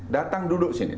datang duduk sini